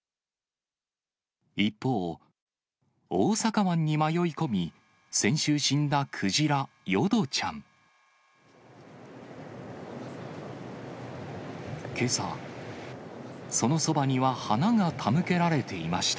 一方、大阪湾に迷い込み、先週死んだクジラ、淀ちゃん。けさ、そのそばには花が手向けられていました。